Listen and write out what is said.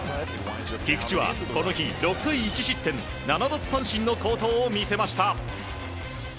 菊池はこの日６回１失点７奪三振の好投を見せました。